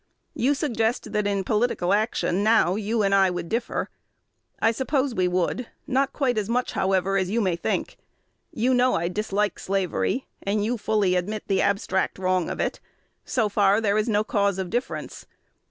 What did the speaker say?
You suggest that in political action now you and I would differ. I suppose we would; not quite as much, however, as you may think. You know I dislike slavery; and you fully admit the abstract wrong of it. So far there is no cause of difference.